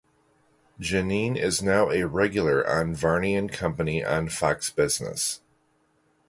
Janine is now a regular on Varney and Company on Fox Business.